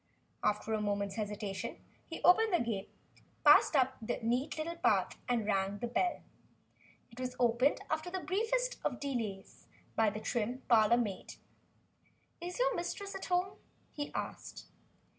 After a moment's hesitation, he opened the gate, passed up the neat little path and rang the bell. It was opened after the briefest of delays by the trim parlor maid. "Is your mistress at home?" he asked.